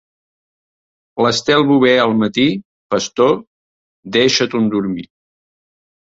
L'Estel Bover al matí, pastor, deixa ton dormir.